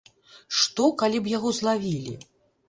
Што, калі б яго злавілі!